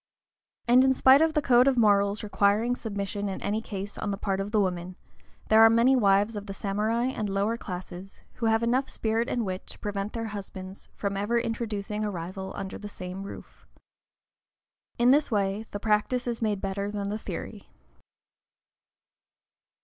And in spite of the code of morals requiring submission in any case on the part of the woman, there are many wives of the samurai and lower classes who have enough spirit and wit to prevent their husbands from ever introducing a rival under the same roof. In this way the practice is made better than the theory.